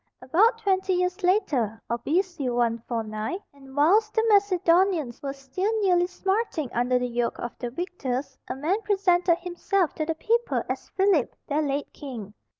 About twenty years later, or B.C. 149, and whilst the Macedonians were still newly smarting under the yoke of the victors, a man presented himself to the people as Philip, their late king.